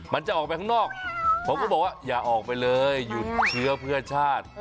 มันจะออกไปข้างนอกผมก็บอกว่าอย่าออกไปเลยหยุดเชื้อเพื่อชาติ